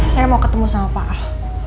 saya mau ketemu sama pak ar